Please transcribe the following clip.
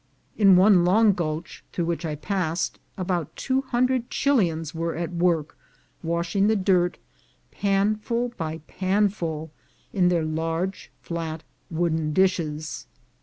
In one long gulch through which I passed, about two hundred Chilians were at work washing the dirt, panful by panful, in their large flat wooden dishes.